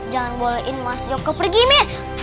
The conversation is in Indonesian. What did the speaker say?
jangan bolehin mas joko pergi mi